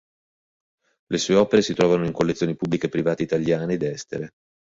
Le sue opere si trovano in collezioni pubbliche e private, italiane ed estere.